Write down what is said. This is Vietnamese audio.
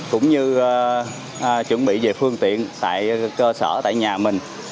cũng như chuẩn bị về phương tiện tại cơ sở tại nhà mình